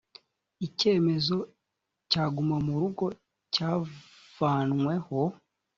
icyemezo cyagumamurugo cyavanweho.